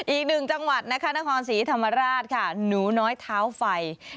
อีกหนึ่งจังหวัดนะคะนครศรีธรรมราชค่ะหนูน้อยเท้าไฟ